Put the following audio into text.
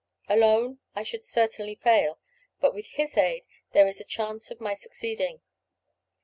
Alone, I should certainly fail, but with his aid there is a chance of my succeeding."